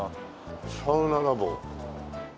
「サウナラボ」。